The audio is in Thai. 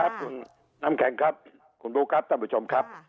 ครับคุณน้ำแข็งครับคุณบุ๊คครับท่านผู้ชมครับ